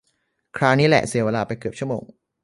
คราวนี้แหละเสียเวลาไปเกือบชั่วโมง